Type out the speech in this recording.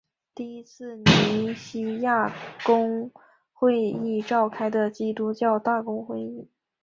第一次尼西亚公会议召开的基督教大公会议。